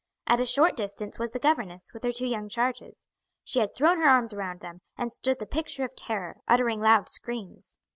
At a short distance was the governess with her two young charges. She had thrown her arms round them, and stood the picture of terror, uttering loud screams.